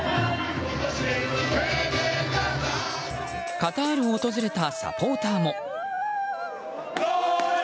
カタールを訪れたサポーターも。